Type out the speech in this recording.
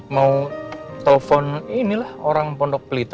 mau telepon inilah orang pondok pelita